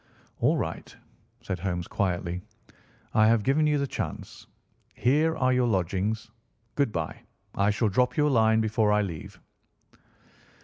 "All right," said Holmes quietly. "I have given you the chance. Here are your lodgings. Good bye. I shall drop you a line before I leave."